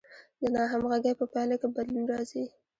د ناهمغږۍ په پایله کې بدلون راځي.